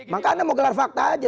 maka anda mau gelar fakta aja